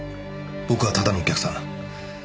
僕はただのお客さん。